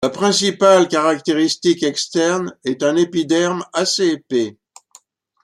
La principale caractéristique externe est un épiderme assez épais.